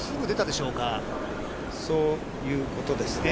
そういうことですね。